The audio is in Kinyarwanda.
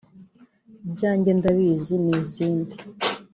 Ibyanjye ndabizi n’izindi